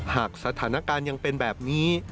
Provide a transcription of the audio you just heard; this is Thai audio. หากสถานการณ์ยังเป็นแบบนี้